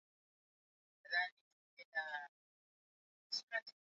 Sasa hivi akaamka ukamwambia leo Samia ni rais atakushangaa sana